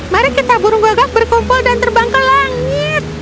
mari kita burung gagak berkumpul dan terbang ke langit